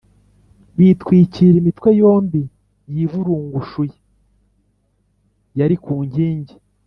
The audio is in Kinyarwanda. bitwikira imitwe yombi yiburungushuye yari ku nkingi